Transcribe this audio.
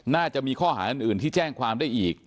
น่าจะมีข้อหาอื่นที่แจ้งความได้อีก